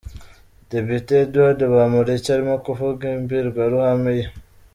Depite Edward Bamporiki arimo kuvuga imbwirwaruhame ye.